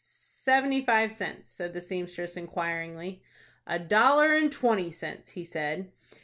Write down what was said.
"Seventy five cents?" said the seamstress, inquiringly. "A dollar and twenty cents," he said.